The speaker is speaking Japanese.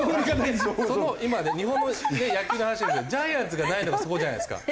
今日本の野球の話ですけどジャイアンツがないのはそこじゃないですか。